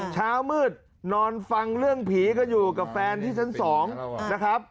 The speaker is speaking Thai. เช้ามืดนอนฟังเรื่องผีกันอยู่กับแฟนที่ชั้น๒นะครับ